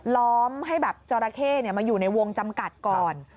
ล้อมให้แบบจราเข้มาอยู่ในวงจำกัดก่อน